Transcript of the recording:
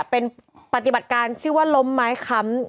เป็นปฏิบัติการชื่อว่าล้มไม้ค้ำ